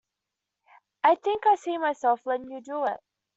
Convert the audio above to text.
I think I see myself letting you do it.